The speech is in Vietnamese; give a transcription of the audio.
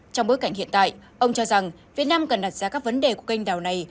trong bối cảnh hiện tại ông cho rằng việt nam cần đặt ra các vấn đề của kênh đào này